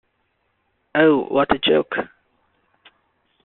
Oh, what a joke!